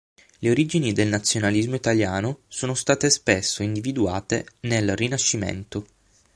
Le origini del nazionalismo italiano sono state spesso individuate nel Rinascimento.